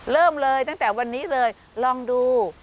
เริ่มเลยตั้งแต่วันนี้เลยลองดู